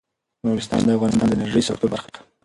نورستان د افغانستان د انرژۍ سکتور برخه ده.